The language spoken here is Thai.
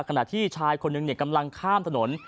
ขณะที่ชายคนหนึ่งกำลังข้ามถนน